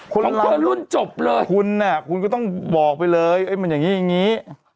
คนร้านหลุดจบเลยคุณก็ต้องบอกไปเลยมันอย่างนี้อย่างนี้